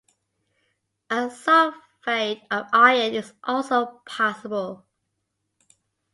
A sulfide of iron is also possible.